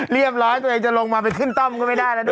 เรียบร้อยตัวเองจะลงมาไปขึ้นต้มก็ไม่ได้ละด้วย